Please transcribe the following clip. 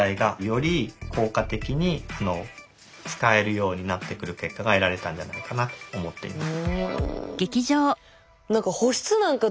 ようになってくる結果が得られたんじゃないかなと思っています。